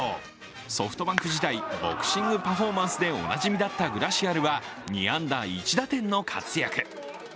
ソフトバンク時代、ボクシングパフォーマンスでおなじみだったグラシアルは、２安打１打点の活躍。